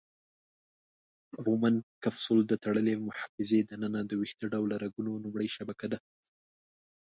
بومن کپسول د تړلې محفظې د ننه د ویښته ډوله رګونو لومړۍ شبکه ده.